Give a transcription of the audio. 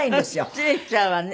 失礼しちゃうわね。